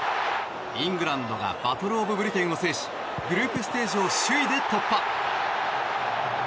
イングランドがバトル・オブ・ブリテンを制しグループステージを首位で突破。